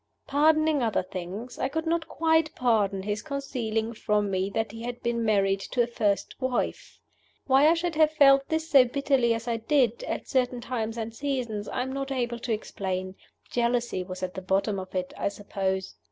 Pardoning other things, I could not quite pardon his concealing from me that he had been married to a first wife. Why I should have felt this so bitterly as I did, at certain times and seasons, I am not able to explain. Jealousy was at the bottom of it, I suppose.